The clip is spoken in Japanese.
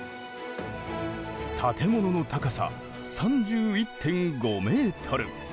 建物の高さ３１．５メートル。